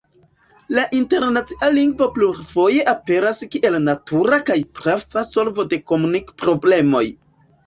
La internacia lingvo plurfoje aperas kiel natura kaj trafa solvo de komunik-problemoj.